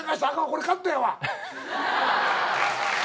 これカットやわ。